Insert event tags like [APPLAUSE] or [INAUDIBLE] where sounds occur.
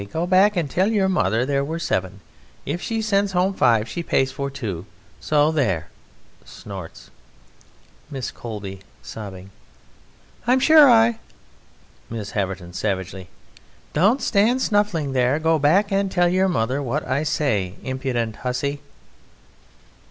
Go back and tell your mother there were seven. And if she sends home five she pays for two. So there! [SNORTS] MISS COBLEY: [CRIES] I'm sure I.... MRS. HAVERTON (savagely): Don't stand snuffling there! Go back and tell your mother what I say.... Impudent hussy!...